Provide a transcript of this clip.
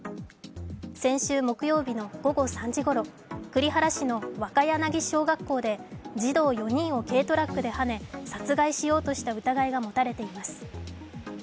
先週木曜日の午後３時ごろ栗原市の若柳小学校で児童４人を軽トラックではね殺害しようとした疑いが持たれています。